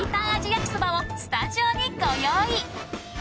焼きそばをスタジオにご用意。